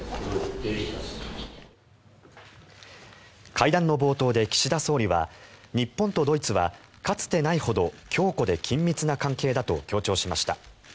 会談の冒頭で岸田総理は日本とドイツはかつてないほど強固で緊密な関係だと強調しました。